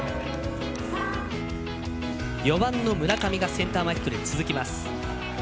４番の村上がセンター前ヒットで続きます。